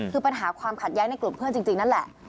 คือปัญหาความขัดแย้งในกลุ่มเพื่อนจริงนั่นแหละ